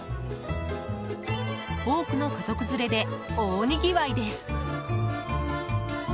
多くの家族連れで大にぎわいです。